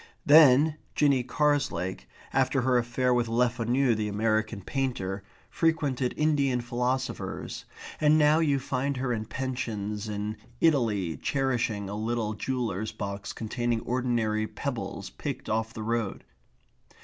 Then Jinny Carslake, after her affair with Lefanu the American painter, frequented Indian philosophers, and now you find her in pensions in Italy cherishing a little jeweller's box containing ordinary pebbles picked off the road.